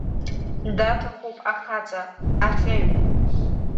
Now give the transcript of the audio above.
Даҭахуп, Ахаҵа, Аӷьеҩ!